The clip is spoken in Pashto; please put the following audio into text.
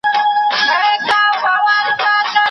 له جهل سره کړی یې پیمان به بدل نه سي